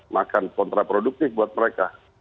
maka kontraproduktif buat mereka